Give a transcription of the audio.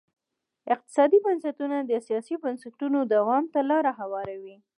اقتصادي بنسټونه د سیاسي بنسټونو دوام ته لار هواروي.